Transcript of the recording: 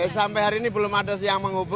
sampai hari ini belum ada yang menghubungi